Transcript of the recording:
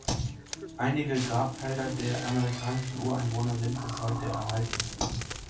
Einige Grabfelder der amerikanischen Ureinwohner sind bis heute erhalten.